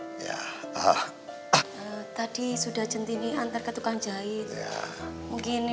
ini ini pak ya ah ah tadi sudah jentini antar ke tukang jahit mungkin insyaallah